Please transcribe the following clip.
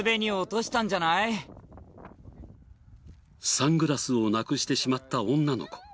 サングラスをなくしてしまった女の子。